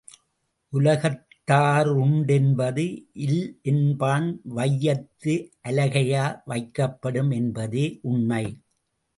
உலகத்தா ருண்டென்பது இல்லென்பான் வையத்து அலகையா வைக்கப்படும் என்பதே உண்மை.